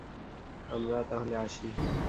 আমরা তাহলে আসি।